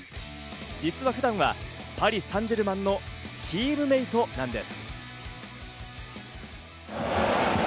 実は普段はパリ・サンジェルマンのチームメイトなんです。